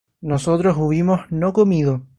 nosotros hubimos no comido